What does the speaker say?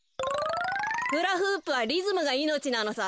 フラフープはリズムがいのちなのさ。